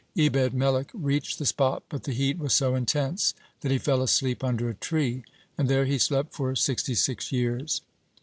Ebed melech reached the spot, but the heat was so intense that he fell asleep under a tree, and there he slept for sixty six years.